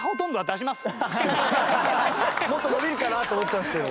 もっと伸びるかなと思ったんですけど。